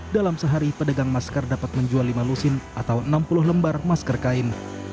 dalam sehari pedagang masker dapat menjual lima lusin atau enam puluh lembar masker kain